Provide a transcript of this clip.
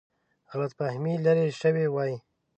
غلط فهمي لیرې شوې وای.